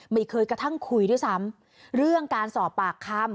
ไม่เคยกระทั่งคุยด้วยซ้ำเรื่องการสอบปากคำ